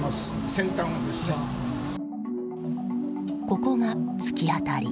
ここが突き当たり。